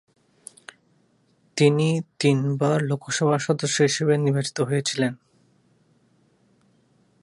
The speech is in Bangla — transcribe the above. তিনি তিনবার লোকসভার সদস্য হিসেবে নির্বাচিত হয়েছিলেন।